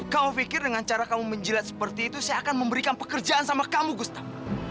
kau pikir dengan cara kamu menjilat seperti itu saya akan memberikan pekerjaan sama kamu gustaf